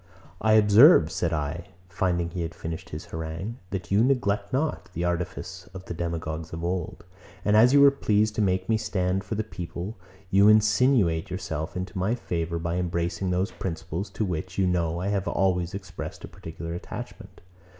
111. I observe (said I, finding he had finished his harangue) that you neglect not the artifice of the demagogues of old; and as you were pleased to make me stand for the people, you insinuate yourself into my favour by embracing those principles, to which, you know, I have always expressed a particular attachment.